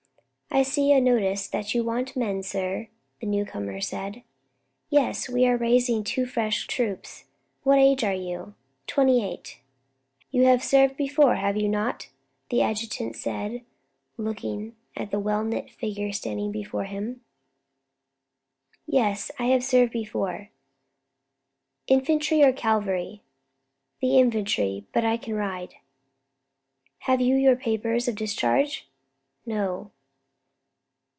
"I see a notice that you want men, sir," the new comer said. "Yes, we are raising two fresh troops. What age are you?" "Twenty eight." "You have served before, have you not?" the adjutant said, looking at the well knit figure standing before him. [Illustration: "'You have served before, have you not?' the Adjutant said."] "Yes, I have served before." "Infantry or cavalry?" "The infantry; but I can ride." "Have you your papers of discharge?" "No."